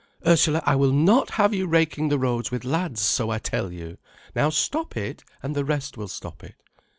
"Ursula, I will not have you raking the roads with lads, so I tell you. Now stop it, and the rest will stop it."